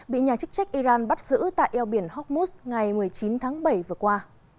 bị nhà chức trách iran bắt giữ tại eo biển horkmuz ngày một mươi chín tháng bảy vừa qua